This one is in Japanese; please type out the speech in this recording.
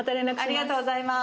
ありがとうございます。